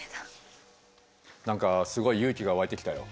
何かすごい勇気が湧いてきたよ。